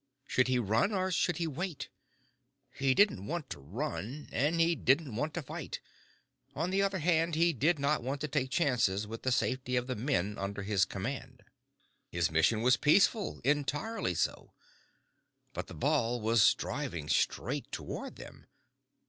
Should he run or should he wait? He didn't want to run and he didn't want to fight. On the other hand, he did not want to take chances with the safety of the men under his command. His mission was peaceful. Entirely so. But the ball was driving straight toward them.